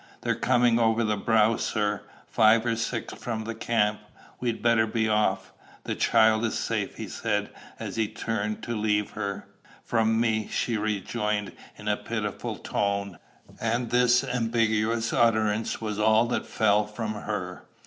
"They're coming over the brow, sir, five or six from the camp. We'd better be off." "The child is safe," he said, as he turned to leave her. "From me," she rejoined, in a pitiful tone; and this ambiguous utterance was all that fell from her.